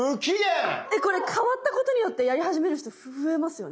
これ変わったことによってやり始める人増えますよね？